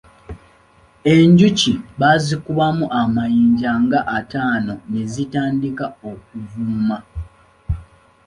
Enjuki baazikubamu amayinja nga ataano ne zitandika okuvuuma.